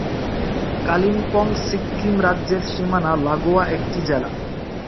কালিম্পং সিক্কিম রাজ্যের সীমানা লাগোয়া একটি জেলা।